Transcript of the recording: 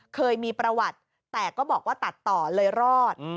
เคยมีประวัติแต่ก็บอกว่าตัดต่อเลยรอด